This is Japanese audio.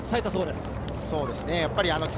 そうですね。